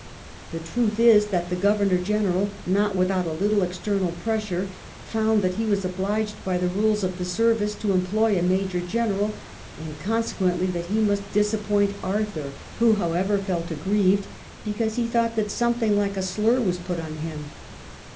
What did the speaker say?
The truth is, that the Governor General, not without a little external pressure, found that he was obliged by the rules of the service to employ a Major General, and consequently that he must disappoint Arthur, who, however, felt aggrieved because he thought that something like a slur was put on him.